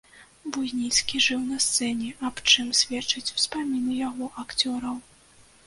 Буйніцкі жыў на сцэне, аб чым сведчаць успаміны яго акцёраў.